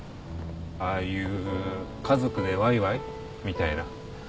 ああいう家族でわいわいみたいな。